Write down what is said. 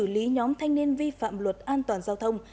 xử lý nhóm thanh niên vi phạm luật an toàn giao thông